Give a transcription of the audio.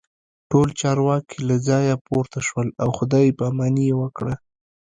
ټول چارواکي له ځایه پورته شول او خداي پاماني یې وکړه